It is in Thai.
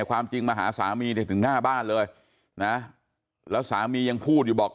ความจริงมาหาสามีถึงหน้าบ้านเลยนะแล้วสามียังพูดอยู่บอก